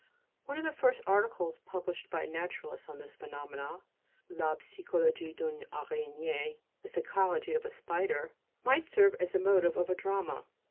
One of the first articles published by a naturalist on these phenomena, La Psychologie d'une Araignée (The Psychology of a Spider) might serve as the motive of a drama.